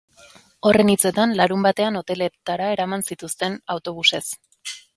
Horren hitzetan, larunbatean hoteletara eraman zituzten autobusez.